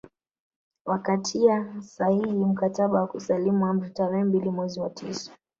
Wakatia sahihi mkataba wa kusalimu amri tarehe mbili mwezi wa tisa